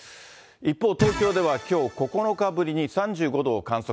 一方、東京ではきょう、９日ぶりに３５度を観測。